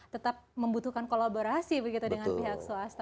tetap membutuhkan kolaborasi begitu dengan pihak swasta